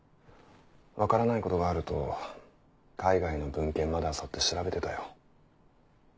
分からないことがあると海外の文献まで漁って調べてたよ。